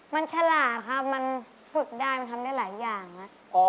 มันฉลาดครับมันฝึกได้มันทำได้หลายอย่างครับ